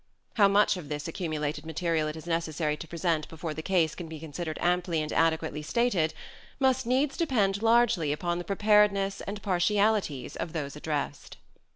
How much of this accumulated material it is necessary to present before the case can be considered amply and adequately stated must needs depend largely upon the preparedness and partialities of those addressed.